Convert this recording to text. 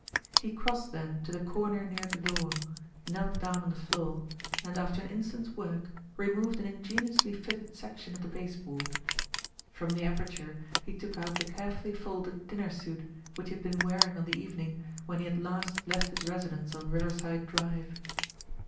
He crossed then to the corner near the door, knelt down on the floor, and after an instant's work removed an ingeniously fitted section of the base board. From the aperture he took out the carefully folded dinner suit which he had been wearing on the evening when he Lad last left his residence on Riverside Drive.